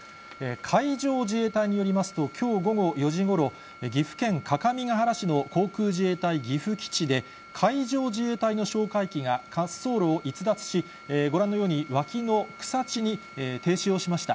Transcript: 海上自衛隊によりますと、きょう午後４時ごろ、岐阜県各務原市の航空自衛隊岐阜基地で、海上自衛隊の哨戒機が滑走路を逸脱し、ご覧のように脇の草地に停止をしました。